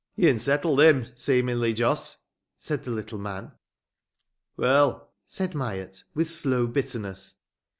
"Ye'n settled him, seemingly, Jos!" said the little man. "Well," said Myatt, with slow bitterness.